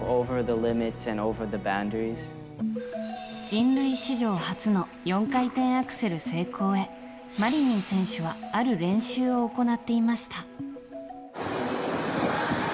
人類史上初の４回転アクセル成功へマリニン選手はある練習を行っていました。